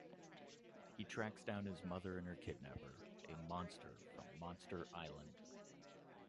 He tracks down his mother and her kidnapper, a monster from Monster Island.